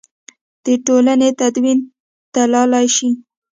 د ټولنې تدین تللای شي.